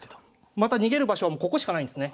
また逃げる場所はここしかないんですね。